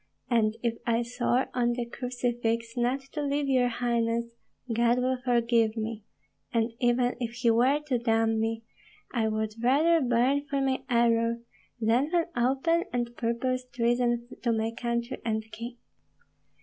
And if I swore on the crucifix not to leave your highness, God will forgive me; and even if he were to damn me, I would rather burn for my error than for open and purposed treason to my country and king.